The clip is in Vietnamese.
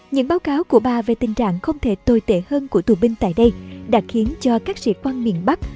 những báo cáo của bà về tình trạng không thể tồi tệ hơn của tù binh tại đây đã khiến cho các sĩ quan miền bắc